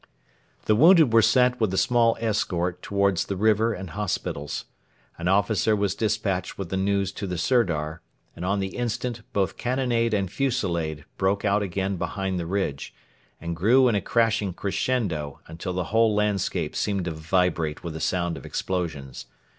The wounded were sent with a small escort towards the river and hospitals. An officer was despatched with the news to the Sirdar, and on the instant both cannonade and fusillade broke out again behind the ridge, and grew in a crashing crescendo until the whole landscape seemed to vibrate with the sound of explosions.